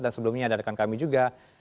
dan sebelumnya ada dengan kami juga